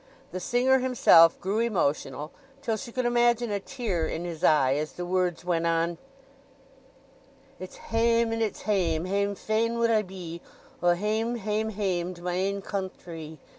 The singer himself grew emotional, till she could imagine a tear in his eye as the words went on:— "It's hame, and it's hame, hame fain would I be, O hame, hame, hame to my ain countree!